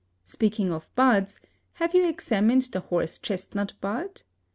Speaking of buds, have you examined the horse chestnut bud?